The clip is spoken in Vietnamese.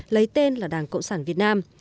lấy tên là đảng cộng sản việt nam